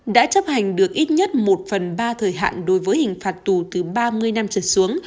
đã chấp hành được ít nhất một phần ba thời hạn đối với hình phạt tù từ ba mươi năm trở xuống